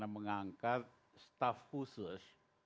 mengangkat staff khusus